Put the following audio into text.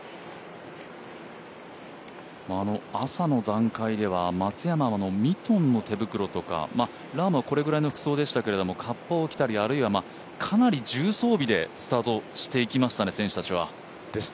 朝の段階では松山もミトンの手袋とかラームはこれぐらいの服装でしたけどカッパを着たり、あるいは、かなり重装備でスタートしていきましたね、選手たちは。